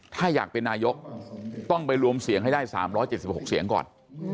ถ้าอยากเป็นนายกต้องไปรวมเสียงให้ได้๓๗๖เสียงก่อน